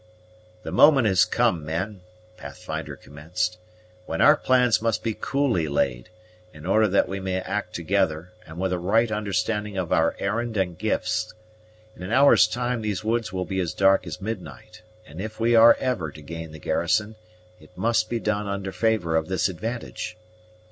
"The moment has come, men," Pathfinder commenced, "when our plans must be coolly laid, in order that we may act together, and with a right understanding of our errand and gifts. In an hour's time these woods will be as dark as midnight; and if we are ever to gain the garrison, it must be done under favor of this advantage.